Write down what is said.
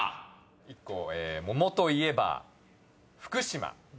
１個桃といえば「福島」